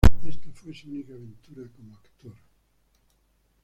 Esta fue su única aventura como actor.